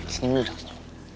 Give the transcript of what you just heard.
senyum dulu dong